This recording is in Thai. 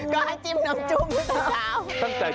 ก็ให้จิ้มน้ำจูบตอนเช้า